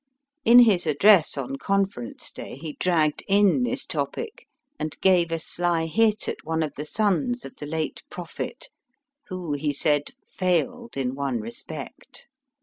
In his address on Con ference Day he dragged in this topic, and gave a sly hit at one of the sons of the late Prophet, who, he said, failed in one respect.